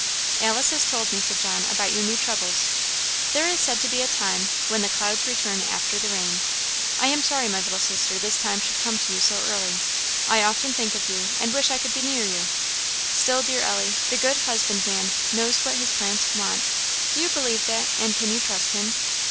"Alice has told me," said John, "about your new troubles. There is said to be a time 'when the clouds return after the rain.' I am sorry, my little sister, this time should come to you so early. I often think of you, and wish I could be near you. Still, dear Ellie, the good Husbandman knows what his plants want; do you believe that, and can you trust him?